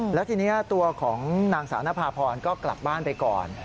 แล้วทีนี้ตัวของนางสาวนภาพรก็กลับบ้านไปก่อน